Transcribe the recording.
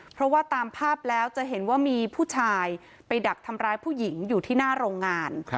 เพราะว่าตามภาพแล้วจะเห็นว่ามีผู้ชายไปดักทำร้ายผู้หญิงอยู่ที่หน้าโรงงาน